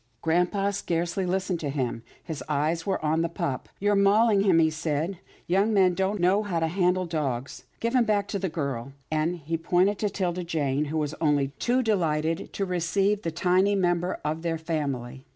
Grampa scarcely listened to him. His eyes were on the pup. " You're mauling him," he said. " Young men don't know how to handle dogs. Give him back to the girl," and he pointed to 'Tilda Jane, who was only too delighted to receive the tiny new member of their family.